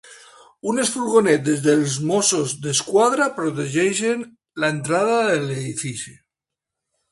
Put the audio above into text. Unes furgonetes dels mossos d’esquadra protegeixen l’entrada de l’edifici.